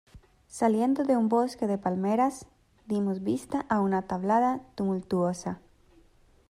saliendo de un bosque de palmeras, dimos vista a una tablada tumultuosa ,